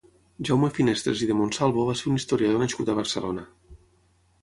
Jaume Finestres i de Monsalvo va ser un historiador nascut a Barcelona.